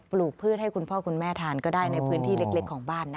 ลูกพืชให้คุณพ่อคุณแม่ทานก็ได้ในพื้นที่เล็กของบ้านนะคะ